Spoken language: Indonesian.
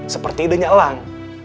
seperti idenya elang